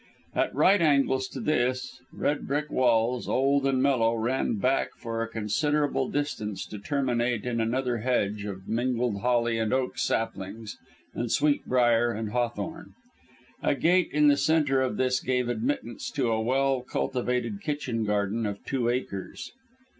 At right angles to this, red brick walls, old and mellow, ran back for a considerable distance to terminate in another hedge of mingled holly and oak saplings and sweetbriar and hawthorn. A gate in the centre of this gave admittance to a well cultivated kitchen garden of two acres.